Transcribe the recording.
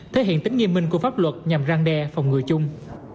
thể hiện tính nghiêm minh của pháp luật nhằm răng đe phòng ngừa chung